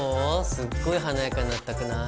すっごい華やかになったくない？